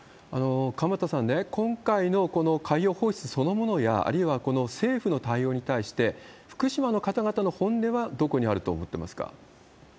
鎌田さん、今回のこの海洋放出そのものや、あるいはこの政府の対応に対して、福島の方々の本音はどこにあると思ってますか？